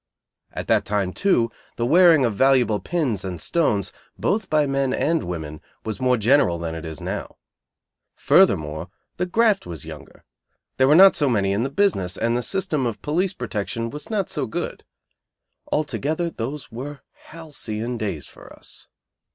At that time, too, the wearing of valuable pins and stones, both by men and women, was more general than it is now. Furthermore, the "graft" was younger. There were not so many in the business, and the system of police protection was not so good. Altogether those were halcyon days for us.